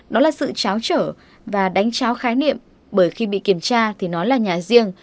đó là sự tráo trở và đánh tráo khái niệm bởi khi bị kiểm tra thì nó là nhà riêng